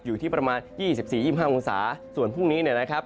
อยู่ที่ประมาณ๒๔๒๕องศาส่วนพรุ่งนี้เนี่ยนะครับ